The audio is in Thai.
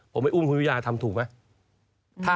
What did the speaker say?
ผมไปอุ้มคุณวิยาทำถูกไหม